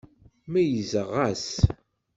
Meyyzeɣ-as.